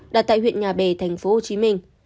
đặt tại huyện nhà bè thành phố hồ chí minh